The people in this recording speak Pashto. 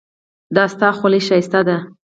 د تا خولی ښایسته ده